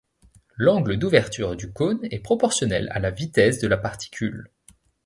L'angle d'ouverture du cône est proportionnel à la vitesse de la particule.